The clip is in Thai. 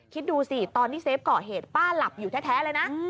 คิดดูสิตอนที่เซฟเกาะเหตุป้าหลับอยู่แท้เลยนะ